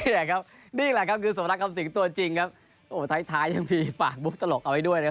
นี่แหละครับนี่แหละครับคือสมรักคำสิงตัวจริงครับโอ้โหท้ายท้ายยังมีฝากบุคตลกเอาไว้ด้วยนะครับ